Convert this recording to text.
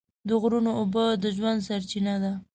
د غرونو اوبه د ژوند سرچینه ده.